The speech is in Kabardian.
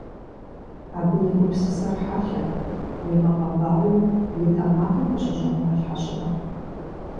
Абы и гупсысэр хьэлъэт, имыгъэбауэу и тэмакъым къыщыщӀэгъуалъхьэ щыӀэт.